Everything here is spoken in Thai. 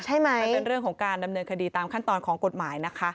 มันเป็นเรื่องของการดำเนินคดีตามขั้นตอนของกฎหมายนะคะ